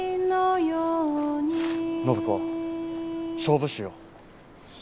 暢子勝負しよう。